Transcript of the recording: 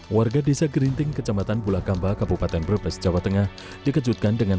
warga desa gerinting kecamatan bulakamba kabupaten brebes jawa tengah dikejutkan dengan